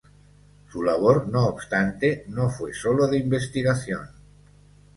Su labor, no obstante, no fue sólo de investigación.